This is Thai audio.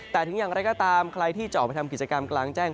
แต่ถึงอย่างไรก็ตามใครที่จะออกไปทำกิจกรรมกลางแจ้ง